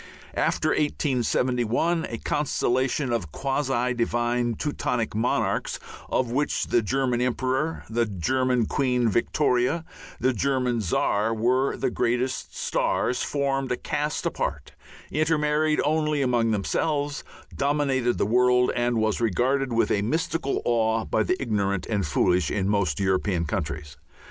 After 1871, a constellation of quasi divine Teutonic monarchs, of which the German Emperor, the German Queen Victoria, the German Czar, were the greatest stars, formed a caste apart, intermarried only among themselves, dominated the world and was regarded with a mystical awe by the ignorant and foolish in most European countries.